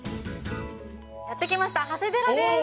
やって来ました、長谷寺です。